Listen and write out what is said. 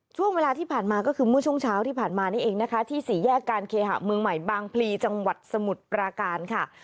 ช่วงเวลาที่ผ่านมาก็คือเมื่อช่วงเช้าที่ผ่านมานี่เองนะคะที่สี่แยกการเคหะเมืองใหม่บางพลีจังหวัดสมุทรปราการค่ะ